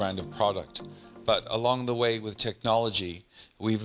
วัตถุดิบจากธรรมชาติของแท้ไม่มีสารเคมีเจือปล่น